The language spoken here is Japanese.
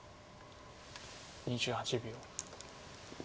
２８秒。